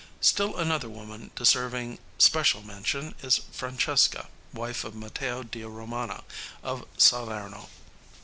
Still another woman deserving special mention is Francesca, wife of Matteo de Romana, of Salerno.